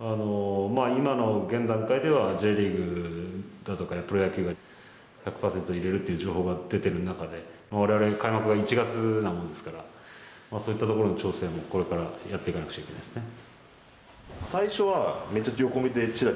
今の現段階ではＪリーグやプロ野球が１００％入れるという情報が出てる中で我々開幕が１月なもんですからそういったところの調整もこれからやっていかなくちゃいけないですね。